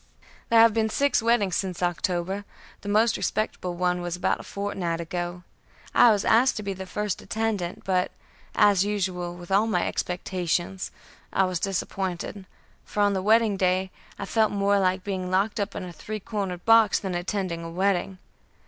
"There have been six weddings since October; the most respectable one was about a fortnight ago; I was asked to be the first attendant, but, as usual with all my expectations, I was disappointed, for on the wedding day I felt more like being locked up in a three cornered box than attending a wedding.